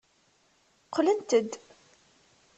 Qqlent-d.